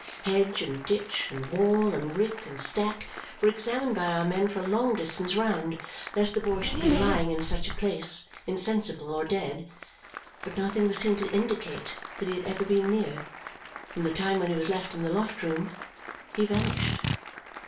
Hedge and ditch, and wall, and rick and stack, were examined by our men for a long distance round, lest the boy should be lying in such a place insensible or dead; but nothing was seen to indicate that he had ever been near. From the time when he was left in the loft room, he vanished.